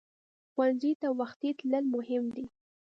ښوونځی ته وختي تلل مهم دي